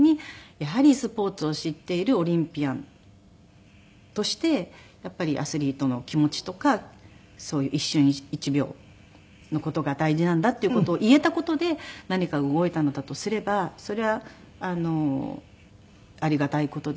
やはりスポーツを知っているオリンピアンとしてアスリートの気持ちとかそういう一瞬一秒の事が大事なんだっていう事を言えた事で何かが動いたのだとすればそれはありがたい事ですし。